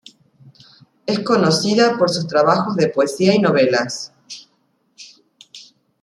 Es conocida sus trabajos de poesía y novelas.